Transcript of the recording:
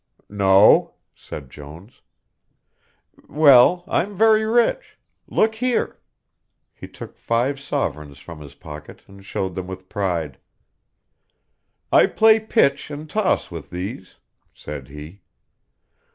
"No," said Jones. "Well, I'm very rich Look here," he took five sovereigns from his pocket and shewed them with pride. "I play pitch and toss with these," said he.